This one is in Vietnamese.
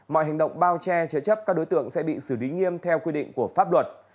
mọi hành động bao che chế chấp các đối tượng sẽ bị xử lý nghiêm theo quy định của pháp luật